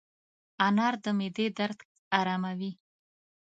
انار د معدې درد اراموي.